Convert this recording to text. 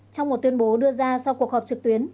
trong một tuyên bố đưa ra sau cuộc họp trực tuyến